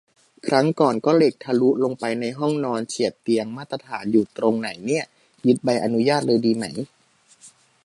ครั้งก่อนก็เหล็กทะลุลงไปในห้องนอน เฉียดเตียง มาตรฐานอยู่ตรงไหนเนี่ย ยึดใบอนุญาตเลยดีไหม